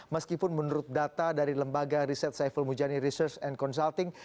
meskipun menurut data dari lembaga riset saiful mujani research and consulting